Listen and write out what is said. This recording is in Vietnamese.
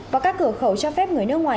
và các cửa khẩu cho phép người nước ngoài